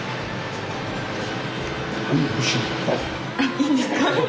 いいんですか？